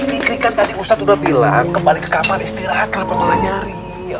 fikri tadi ustadz udah bilang kembali ke kamar istirahat lah mampu nyari